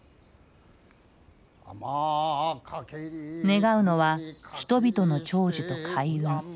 願うのは人々の長寿と開運。